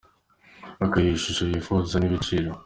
Akayiha ishusho yifuza n’ibiciro.